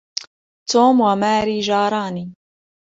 توم وماري جاران.